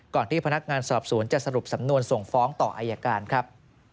ที่พนักงานสอบสวนจะสรุปสำนวนส่งฟ้องต่ออายการครับ